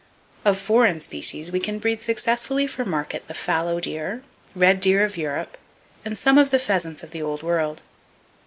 Of foreign species we can breed successfully for market the fallow deer, red deer of Europe and some of the pheasants of the old world.